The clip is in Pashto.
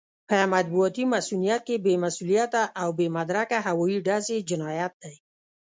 په مطبوعاتي مصؤنيت کې بې مسووليته او بې مدرکه هوايي ډزې جنايت دی.